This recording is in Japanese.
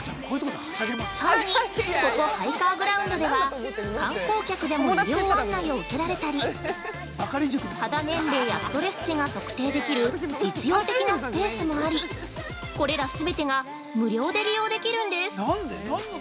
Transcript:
◆さらに、ここハイカーグラウンドでは観光客でも医療案内を受けられたり、肌年齢やストレス値が測定できる実用的なスペースもあり、これら全てが無料で利用できるんです。